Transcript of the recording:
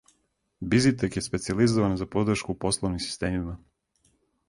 Бизитек је специјализован за подршку пословним системима.